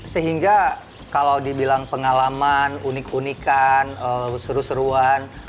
sehingga kalau dibilang pengalaman unik unikan seru seruan